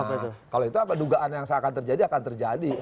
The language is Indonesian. maksudnya apa dugaan yang seakan terjadi akan terjadi